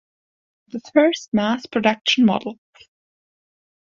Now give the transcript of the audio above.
The first mass production model.